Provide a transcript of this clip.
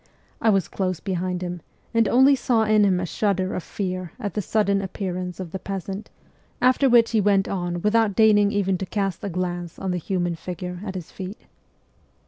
I was close behind him, and only saw in him a shudder of fear at the sudden appearance of the peasant, after which he went on THE CORPS OF PAGES 173 without deigning even to cast a glance on the human figure at his feet.